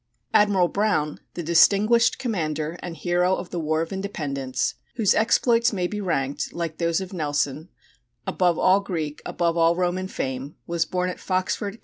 Admiral Brown, the distinguished commander and hero of the War of Independence, whose exploits may be ranked, like those of Nelson, "above all Greek, above all Roman fame," was born at Foxford, Co.